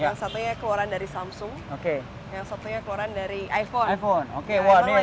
yang satunya keluaran dari samsung yang satunya keluaran dari iphone